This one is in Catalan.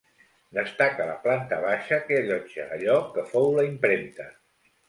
Destaca la planta baixa que allotja allò que fou la impremta.